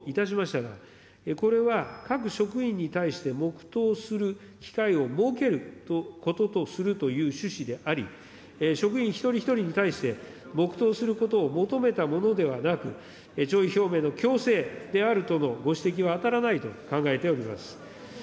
なお、各府省においては、弔旗を掲揚するとともに、葬儀中の一定時刻に黙とうすることといたしましたが、これは各職員に対して黙とうする機会を設けることとするという趣旨であり、職員一人一人に対して黙とうすることを求めたものではなく、弔意表明の強制であるとのご指摘は当たらないと考えております。